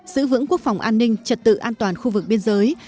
giữ vững quốc phòng an ninh trật tự an toàn khu vực biên giới